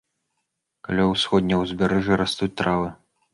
Каля ўсходняга ўзбярэжжа растуць травы.